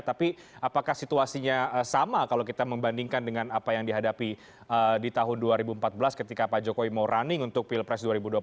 tapi apakah situasinya sama kalau kita membandingkan dengan apa yang dihadapi di tahun dua ribu empat belas ketika pak jokowi mau running untuk pilpres dua ribu dua puluh